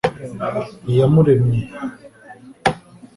Iyamuremye